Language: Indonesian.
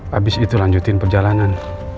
habis itu lanjutin perjalanan